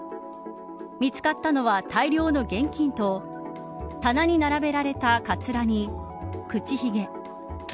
見つかったのは大量の現金と棚に並べられたかつらに口ひげ。